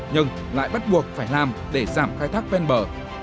nhưng lại bắt buộc phải làm để giảm khai thác ven bờ